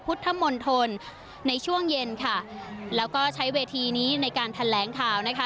พุทธมณฑลในช่วงเย็นค่ะแล้วก็ใช้เวทีนี้ในการแถลงข่าวนะคะ